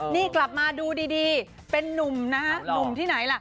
นี่กลับมาดูดีเป็นนุ่มนะฮะหนุ่มที่ไหนล่ะ